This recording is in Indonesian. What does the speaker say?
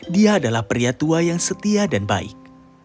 dia adalah pria tua yang setia dan baik